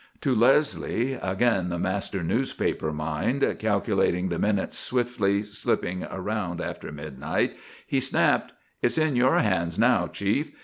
To Leslie, again the master newspaper mind, calculating the minutes swiftly slipping around after midnight, he snapped: "It's in your hands now, Chief.